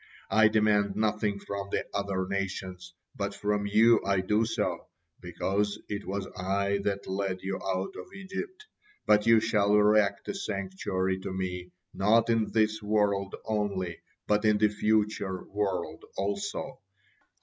I demand nothing from the other nations, but from you I do so, because it was I that led you out of Egypt. But you shall erect a sanctuary to Me not in this world only, but in the future world also.